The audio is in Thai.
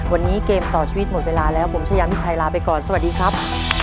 วันนี้เกมต่อชีวิตหมดเวลาแล้วผมชายามิชัยลาไปก่อนสวัสดีครับ